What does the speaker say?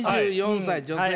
２４歳女性。